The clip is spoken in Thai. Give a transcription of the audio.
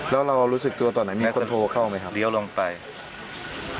แล้วเรารู้สึกตัวตอนไหนมีคนโทรเข้าไหมครับ